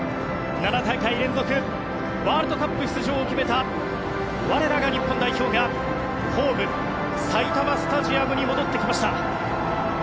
７大会連続ワールドカップ出場を決めた我らが日本代表がホーム、埼玉スタジアムに戻ってきました。